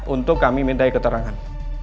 untuk kami minta keterangan